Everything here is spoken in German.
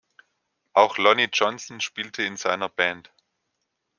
Auch Lonnie Johnson spielte in seiner Band.